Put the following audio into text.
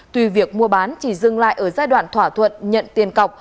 tuy việc mua bán chỉ dừng lại ở giai đoạn thỏa thuận nhận tiền cọc